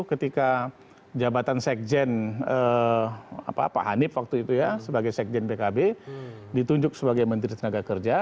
ketika jabatan sekjen pak hanif waktu itu ya sebagai sekjen pkb ditunjuk sebagai menteri tenaga kerja